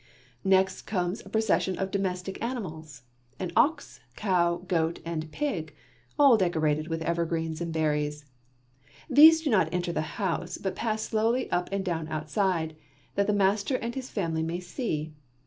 Next comes a procession of domestic animals, an ox, cow, goat, and pig, all decorated with evergreens and berries. These do not enter the house but pass slowly up and down outside, that the master and his family may see.